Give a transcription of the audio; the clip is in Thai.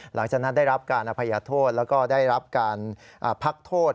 หลังจากนั้นได้รับการอภัยโทษแล้วก็ได้รับการพักโทษ